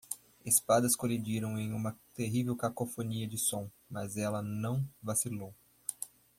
Espadas colidiram em uma terrível cacofonia de som, mas ela não vacilou.